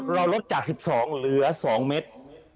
เราลดจาก๑๒เหลือ๒เมตร